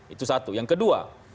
itu satu yang kedua